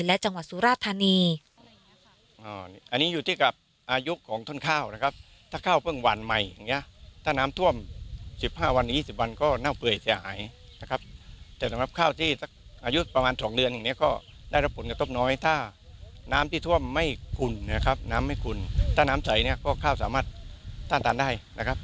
และจังหวัดสุราธานี